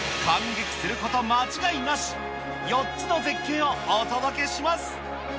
カンゲキすること間違いなし、４つの絶景をお届けします。